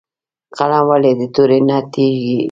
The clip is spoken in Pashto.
قلم ولې د تورې نه تېز دی؟